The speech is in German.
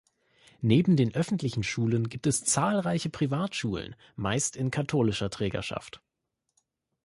Neben den öffentlichen Schulen gibt es zahlreiche Privatschulen, meist in katholischer Trägerschaft.